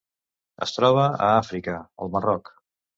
Es troba a Àfrica: el Marroc.